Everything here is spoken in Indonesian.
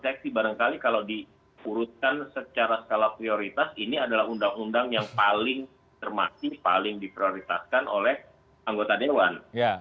seksi barangkali kalau diurutkan secara skala prioritas ini adalah undang undang yang paling termati paling diprioritaskan oleh anggota dewan